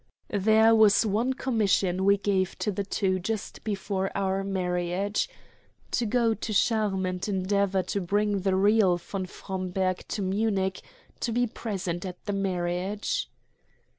There was one commission we gave to the two just before our marriage to go to Charmes and endeavor to bring the real von Fromberg to Munich to be present at the marriage.